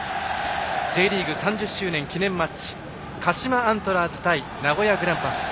Ｊリーグ３０周年記念マッチ鹿島アントラーズ対名古屋グランパス。